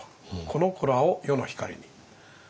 「この子らを世の光りに」。